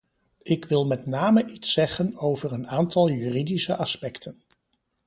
Ik wil met name iets zeggen over een aantal juridische aspecten.